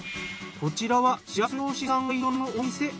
こちらはしらす漁師さんが営むお店。